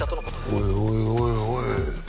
おいおいおいおい。